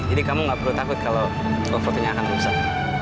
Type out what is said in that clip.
jadi kamu gak perlu takut kalo fotonya akan rusak